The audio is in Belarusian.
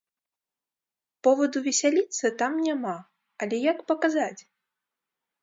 Поваду весяліцца там няма, але як паказаць?